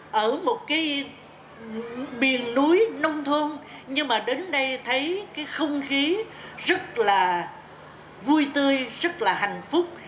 trong biển núi nông thôn nhưng mà đến đây thấy cái không khí rất là vui tươi rất là hạnh phúc